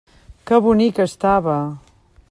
Que bonica estava!